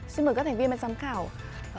xin mời các thành viên và giám khảo